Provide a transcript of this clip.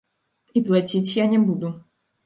І плаціць я не буду.